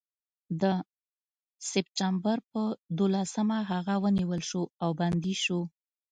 د سپټمبر پر دولسمه هغه ونیول شو او بندي شو.